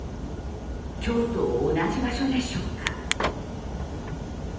今日と同じ場所でしょうか？